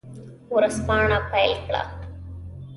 ورځپاڼه پیل کړه.